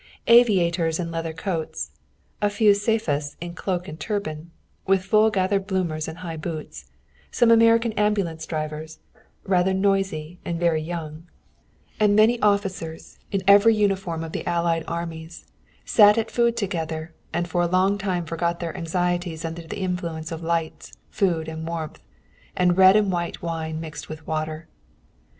Aviators in leather coats; a few Spahis in cloak and turban, with full gathered bloomers and high boots; some American ambulance drivers, rather noisy and very young; and many officers, in every uniform of the Allied armies sat at food together and for a time forgot their anxieties under the influence of lights, food and warmth, and red and white wine mixed with water.